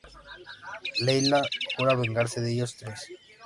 Leila jura vengarse de ellos tres.